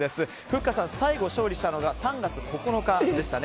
ふっかさん、最後勝利したのが３月９日でしたね。